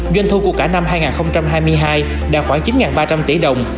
doanh thu của cả năm hai nghìn hai mươi hai đạt khoảng chín ba trăm linh tỷ đồng